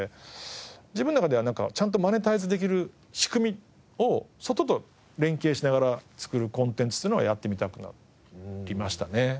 自分の中ではちゃんとマネタイズできる仕組みを外と連携しながら作るコンテンツっていうのをやってみたくなりましたね。